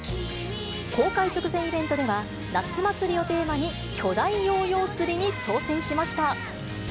公開直前イベントでは、夏祭りをテーマに、巨大ヨーヨー釣りに挑戦しました。